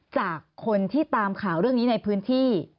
จากคนที่ตามข่าวเรื่องนี้ในพื้นที่